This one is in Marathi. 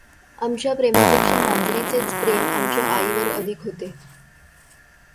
आमच्या प्रेमापेक्षा मांजरीचेच प्रेम आमच्या आईवर अधिक होते.